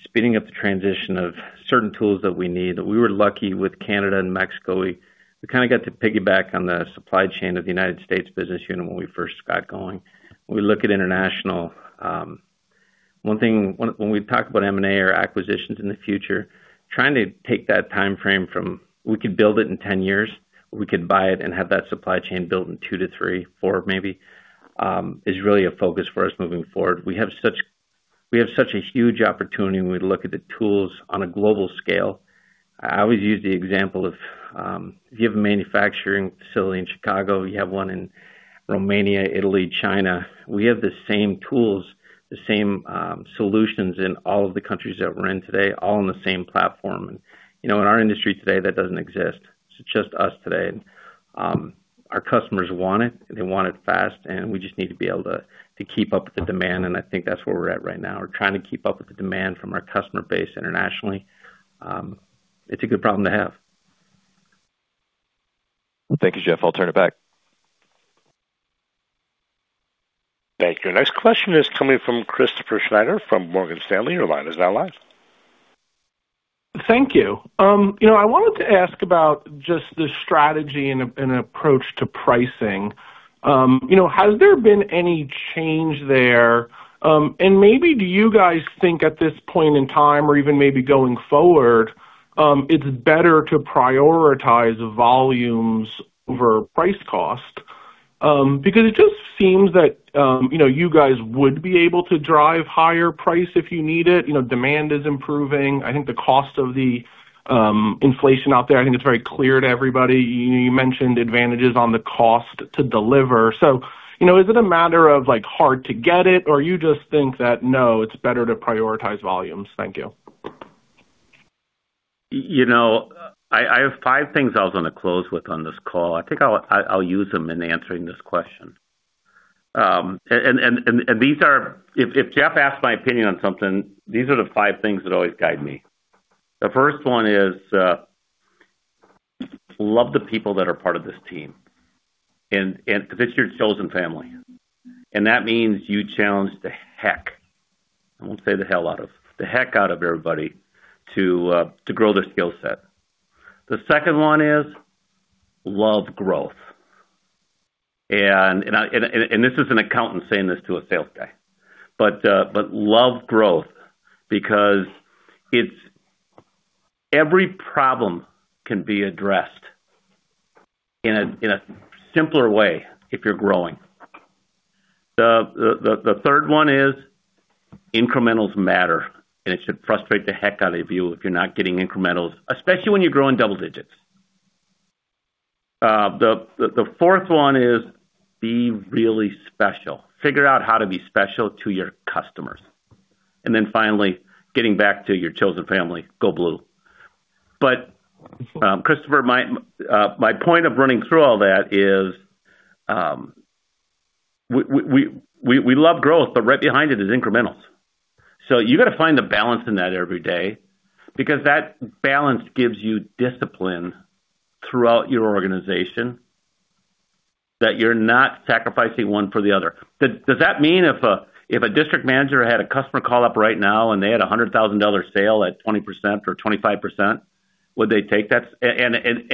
speeding up the transition of certain tools that we need. We were lucky with Canada and Mexico. We kind of got to piggyback on the supply chain of the United States business unit when we first got going. When we look at international, when we talk about M&A or acquisitions in the future, trying to take that timeframe from we could build it in 10 years, we could buy it and have that supply chain built in two to three, four maybe, is really a focus for us moving forward. We have such a huge opportunity when we look at the tools on a global scale. I always use the example of, if you have a manufacturing facility in Chicago, you have one in Romania, Italy, China. We have the same tools, the same solutions in all of the countries that we're in today, all on the same platform. In our industry today, that doesn't exist. It's just us today. Our customers want it, and they want it fast, and we just need to be able to keep up with the demand, and I think that's where we're at right now. We're trying to keep up with the demand from our customer base internationally. It's a good problem to have. Thank you, Jeff. I'll turn it back. Thank you. Next question is coming from Christopher Snyder from Morgan Stanley. Your line is now live. Thank you. Maybe do you guys think at this point in time or even maybe going forward, it's better to prioritize volumes over price cost? It just seems that you guys would be able to drive higher price if you need it. Demand is improving. I think the cost of the inflation out there, I think it's very clear to everybody. You mentioned advantages on the cost to deliver. Is it a matter of hard to get it, or you just think that no, it's better to prioritize volumes? Thank you. I have five things I was going to close with on this call. I think I'll use them in answering this question. If Jeff asks my opinion on something, these are the five things that always guide me. The first one is, love the people that are part of this team, because it's your chosen family. That means you challenge the heck out of everybody to grow their skill set. The second one is love growth. This is an accountant saying this to a sales guy. Love growth because every problem can be addressed in a simpler way if you're growing. The third one is incrementals matter, it should frustrate the heck out of you if you're not getting incrementals, especially when you're growing double digits. The fourth one is be really special. Figure out how to be special to your customers. Then finally, getting back to your chosen family, go Blue. Christopher, my point of running through all that is we love growth, but right behind it is incrementals. You got to find the balance in that every day because that balance gives you discipline throughout your organization that you're not sacrificing one for the other. Does that mean if a district manager had a customer call up right now and they had a $100,000 sale at 20% or 25%, would they take that?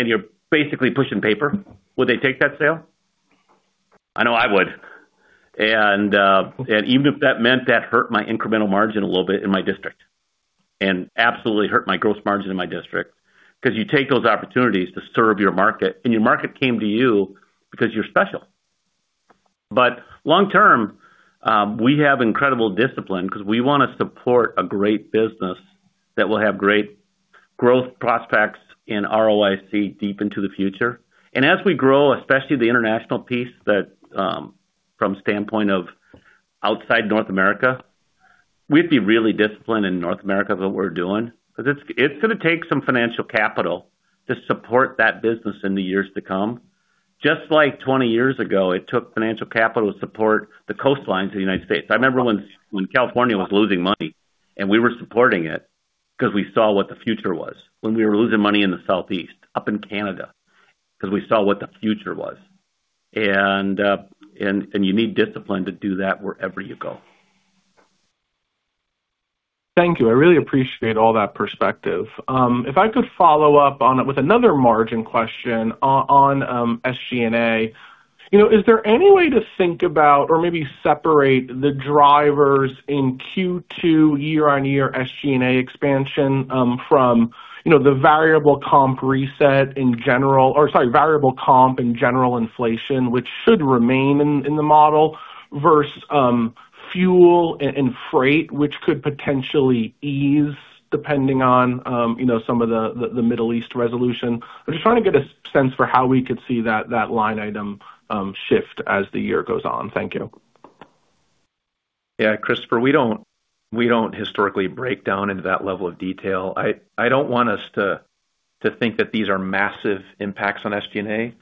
You're basically pushing paper. Would they take that sale? I know I would. Even if that meant that hurt my incremental margin a little bit in my district and absolutely hurt my gross margin in my district. You take those opportunities to serve your market, your market came to you because you're special. Long term, we have incredible discipline because we want to support a great business that will have great growth prospects and ROIC deep into the future. As we grow, especially the international piece from standpoint of outside North America, we'd be really disciplined in North America of what we're doing. It's going to take some financial capital to support that business in the years to come. Just like 20 years ago, it took financial capital to support the coastlines of the U.S. I remember when California was losing money and we were supporting it because we saw what the future was. When we were losing money in the Southeast, up in Canada, because we saw what the future was. You need discipline to do that wherever you go. Thank you. I really appreciate all that perspective. If I could follow up on it with another margin question on SG&A. Is there any way to think about or maybe separate the drivers in Q2 year-on-year SG&A expansion from the variable comp reset in general, or, sorry, variable comp and general inflation, which should remain in the model versus fuel and freight, which could potentially ease depending on some of the Middle East resolution? I am just trying to get a sense for how we could see that line item shift as the year goes on. Thank you. Yeah, Christopher, we don't historically break down into that level of detail. I don't want us to think that these are massive impacts on SG&A.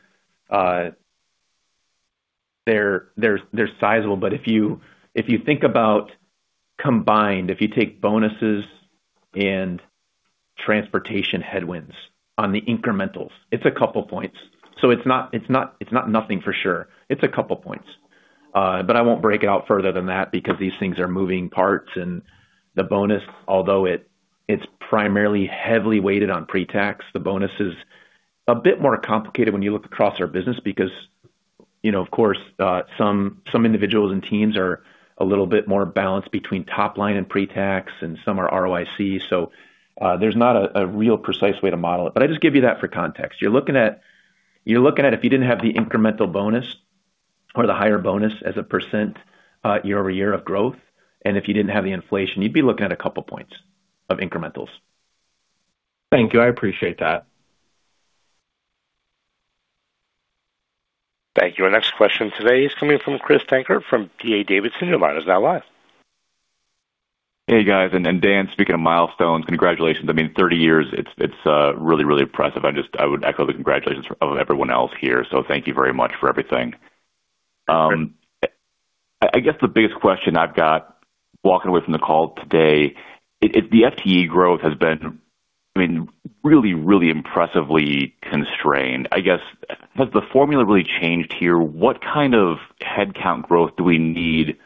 They are sizable, but if you think about combined, if you take bonuses and transportation headwinds on the incrementals, it is a couple points. It is not nothing for sure. It is a couple points. I won't break it out further than that because these things are moving parts and the bonus, although it is primarily heavily weighted on pre-tax, the bonus is a bit more complicated when you look across our business because, of course, some individuals and teams are a little bit more balanced between top line and pre-tax, and some are ROIC. There is not a real precise way to model it. I just give you that for context. You are looking at if you didn't have the incremental bonus or the higher bonus as a % year-over-year of growth, and if you didn't have the inflation, you would be looking at a couple points of incrementals. Thank you. I appreciate that. Thank you. Our next question today is coming from Chris Dankert from D.A. Davidson. Your line is now live. Hey, guys. Dan, speaking of milestones, congratulations. I mean, 30 years, it's really impressive. I would echo the congratulations of everyone else here. Thank you very much for everything. I guess the biggest question I've got walking away from the call today, the FTE growth has been really impressively constrained. I guess, has the formula really changed here? What kind of headcount growth do we need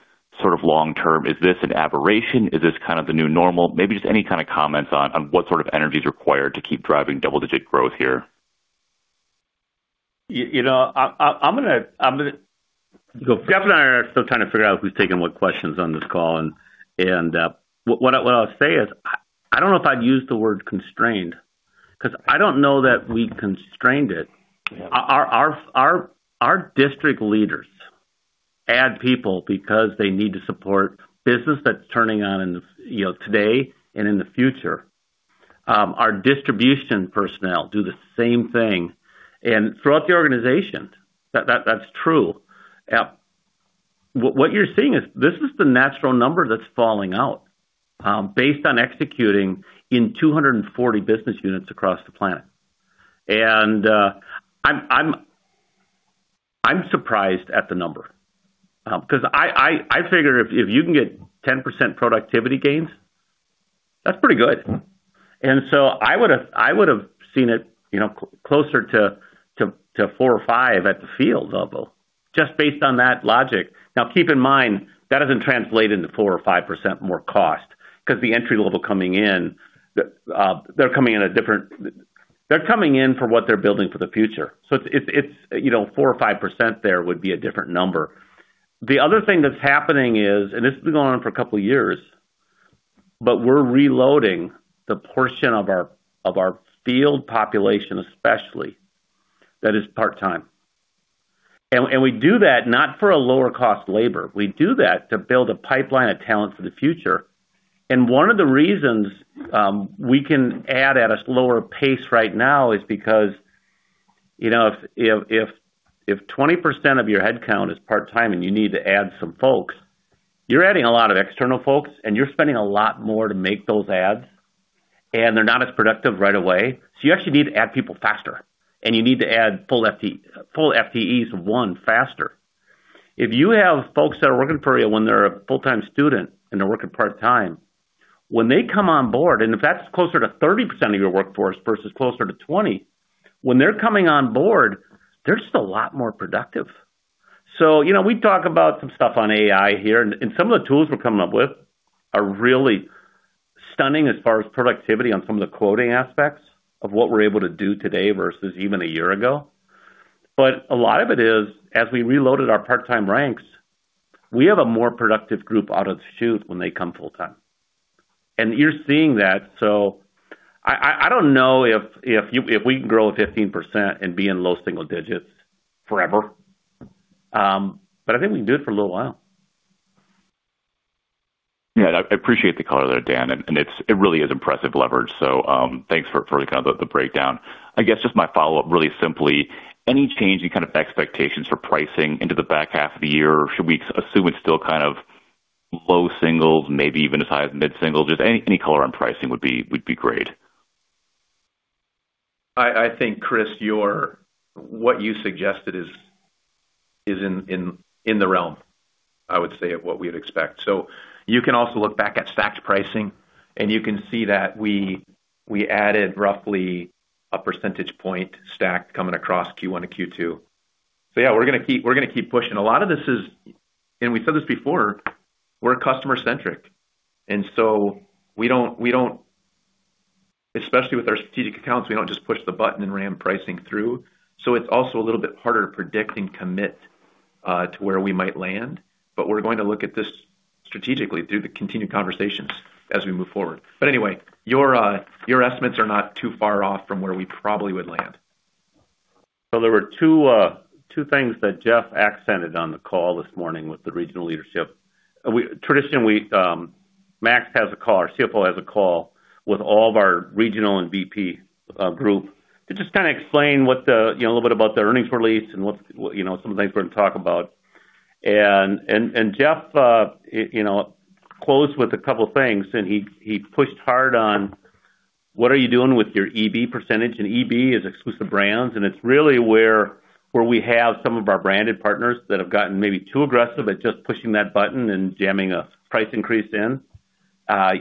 long-term? Is this an aberration? Is this kind of the new normal? Maybe just any kind of comments on what sort of energy is required to keep driving double-digit growth here. [inaudible] We are still trying to figure out who's taking what questions on this call. What I'll say is, I don't know if I'd use the word constrained because I don't know that we constrained it. Yeah. Our district leaders add people because they need to support business that's turning on today and in the future. Our distribution personnel do the same thing. Throughout the organization, that's true. What you're seeing is this is the natural number that's falling out based on executing in 240 business units across the planet. I'm surprised at the number. I figure if you can get 10% productivity gains, that's pretty good. I would've seen it closer to 4% or 5% at the field level, just based on that logic. Now, keep in mind, that doesn't translate into 4% or 5% more cost because the entry level coming in, they're coming in for what they're building for the future. It's 4% or 5% there would be a different number. The other thing that's happening is, this has been going on for a couple of years. We're reloading the portion of our field population, especially that is part-time. We do that not for a lower cost labor. We do that to build a pipeline of talent for the future. One of the reasons we can add at a slower pace right now is because if 20% of your headcount is part-time and you need to add some folks, you're adding a lot of external folks, and you're spending a lot more to make those adds, and they're not as productive right away. You actually need to add people faster, and you need to add full FTEs, one, faster. If you have folks that are working for you when they're a full-time student and they're working part-time, when they come on board, if that's closer to 30% of your workforce versus closer to 20%, when they're coming on board, they're just a lot more productive. We talk about some stuff on AI here, some of the tools we're coming up with are really stunning as far as productivity on some of the quoting aspects of what we're able to do today versus even a year ago. A lot of it is as we reloaded our part-time ranks, we have a more productive group out of the chute when they come full-time. You're seeing that. I don't know if we can grow 15% and be in low single digits forever, but I think we can do it for a little while. Yeah, I appreciate the color there, Dan. It really is impressive leverage. Thanks for the breakdown. I guess just my follow-up, really simply, any change in kind of expectations for pricing into the back half of the year, or should we assume it's still kind of low singles, maybe even as high as mid-single? Just any color on pricing would be great. I think, Chris, what you suggested is in the realm, I would say, of what we'd expect. You can also look back at stacked pricing, you can see that we added roughly a percentage point stacked coming across Q1 to Q2. Yeah, we're going to keep pushing. A lot of this is, we've said this before, we're customer centric. Especially with our strategic accounts, we don't just push the button and ram pricing through. It's also a little bit harder to predict and commit to where we might land. We're going to look at this strategically through the continued conversations as we move forward. Anyway, your estimates are not too far off from where we probably would land. There were two things that Jeff accented on the call this morning with the regional leadership. Traditionally, Max has a call, our Chief Financial Officer has a call with all of our regional and VP group to just kind of explain a little bit about the earnings release and some of the things we're going to talk about. Jeff closed with a couple of things, he pushed hard on what are you doing with your EB percentage. EB is exclusive brands, and it's really where we have some of our branded partners that have gotten maybe too aggressive at just pushing that button and jamming a price increase in.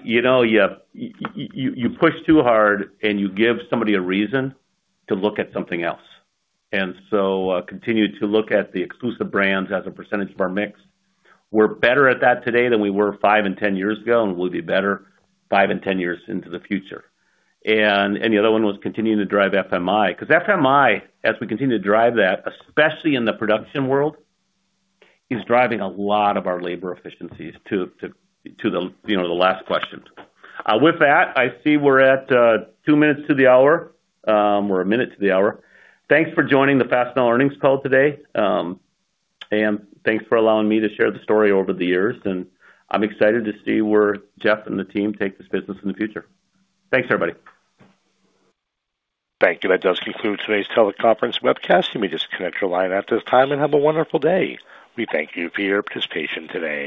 You push too hard and you give somebody a reason to look at something else. So continue to look at the exclusive brands as a percentage of our mix. We're better at that today than we were five and 10 years ago, and we'll be better five and 10 years into the future. The other one was continuing to drive FMI, because FMI, as we continue to drive that, especially in the production world, is driving a lot of our labor efficiencies to the last question. With that, I see we're at two minutes to the hour. We're a minute to the hour. Thanks for joining the Fastenal earnings call today. Thanks for allowing me to share the story over the years, and I'm excited to see where Jeff and the team take this business in the future. Thanks, everybody. Thank you. That does conclude today's teleconference webcast. You may disconnect your line at this time, and have a wonderful day. We thank you for your participation today.